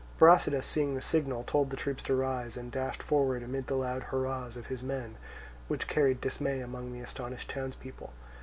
Brasidas seeing the signal told the troops to rise, and dashed forward amid the loud hurrahs of his men, which carried dismay among the astonished townspeople.